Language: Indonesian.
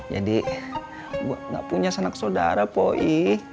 jadi gua gak punya sanak sodara po ii